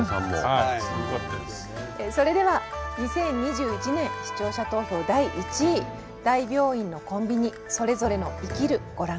それでは２０２１年視聴者投票第１位「大病院のコンビニそれぞれの“生きる”」ご覧下さい。